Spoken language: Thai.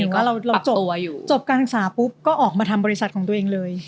ก็หมายถึงว่าจบการศึกษาจบก็ออกมาทำบริษัทของตัวเองเลย